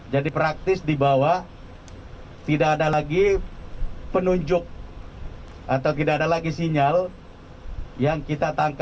jadi praktis di bawah tidak ada lagi penunjuk atau tidak ada lagi sinyal yang kita tangkap